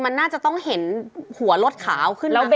มันน่าจะต้องเห็นหัวรถขาวขึ้นแล้ว